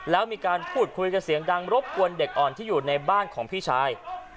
แล้วมีการพูดคุยกับเสียงดังรบกวนเด็กอ่อนที่อยู่ในบ้านของพี่ชาย